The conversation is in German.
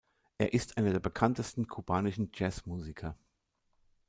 Er ist einer der bekanntesten kubanischen Jazzmusiker.